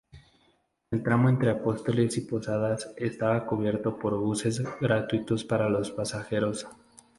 El tramo entre Apóstoles y Posadas estaba cubierto por buses gratuitos para los pasajeros.